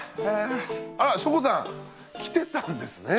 あっしょこたん来てたんですね。